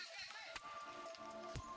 sini gak eh alamak lo